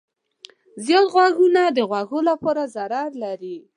زیات غږونه د غوږو لپاره ضرر لري.